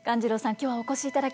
今日はお越しいただき